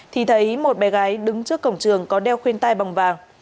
lấy một bé gái đứng trước cổng trường có đeo khuyên tai bòng vàng